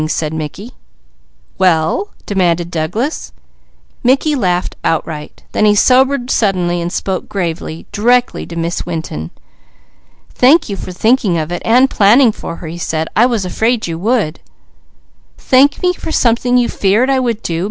said Mickey. "Well?" demanded Douglas. Mickey laughed outright. Then he sobered suddenly and spoke gravely, directly to Miss Winton. "Thank you for thinking of it, and planning for her," he said. "I was afraid you would." "Thank me for something you feared I would do!